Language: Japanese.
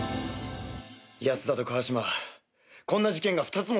安田と川島こんな事件が２つも起きるなんて。